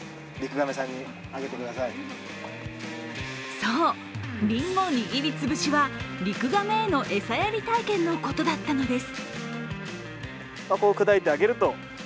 そう、りんご握り潰しはリクガメへの餌やり体験のことだったのです。